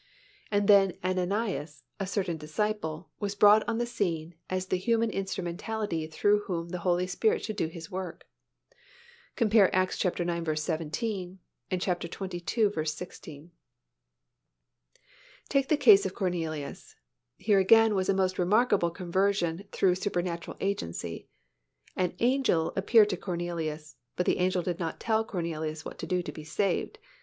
And then Ananias, "a certain disciple," was brought on the scene as the human instrumentality through whom the Holy Spirit should do His work (cf. Acts ix. 17; xxii. 16). Take the case of Cornelius. Here again was a most remarkable conversion through supernatural agency. "An angel" appeared to Cornelius, but the angel did not tell Cornelius what to do to be saved.